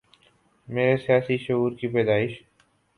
میرے سیاسی شعور کی پیدائش